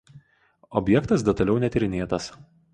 Objektas detaliau netyrinėtas.